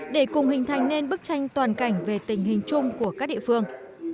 để cùng hình thành nên bức tranh toàn cảnh về tình hình chung của các địa phương